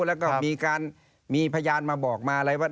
แล้วก็มีการมีพยานมาบอกมาอะไรว่า